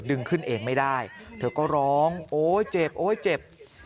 ดึงขึ้นเองไม่ได้เธอก็ร้องโอ๊ยเจ็บโอ๊ยเจ็บ